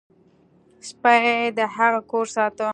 سپي د هغه کور ساته.